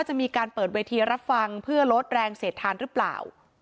จะมีการเติบแรงรับฟังเพื่อลดแรงเสทฐานหรือเปล่า